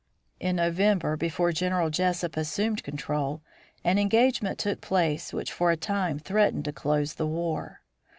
In November, before General Jesup assumed control, an engagement took place which for a time threatened to close the war.